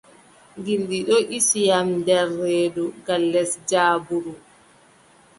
Gilɗi ɗon ɗisi yam nder reedu gal les jaabuuru.